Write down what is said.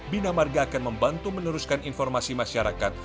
binamarga akan membantu meneruskan informasi masyarakat